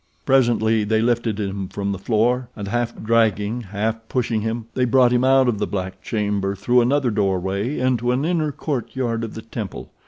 Presently they lifted him from the floor, and half dragging, half pushing him, they brought him out of the black chamber through another doorway into an inner courtyard of the temple.